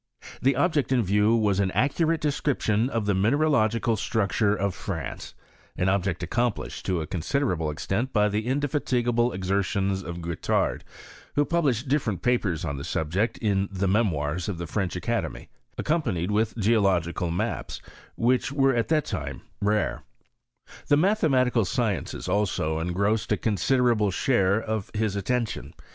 The object is view was an accurate description of the mineralogical structure of France — an object accomplished to ft considerable extent by the indefatigable exertions of Guettard, who published different papers on the sut ject in the Memoirs of the French Academy, acc( pnoGitESS OF cmemisthy i\ fiia \ce. 77 panied with geological maps ; which were at that The matheniatical sciences also engrossed a consi derable share of his attentiaa.